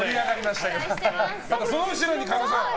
その後ろに、神田さん。